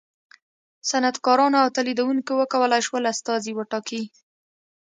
صنعتکارانو او تولیدوونکو و کولای شول استازي وټاکي.